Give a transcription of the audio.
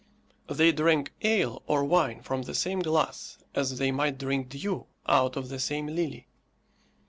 They drank ale or wine from the same glass, as they might drink dew out of the same lily.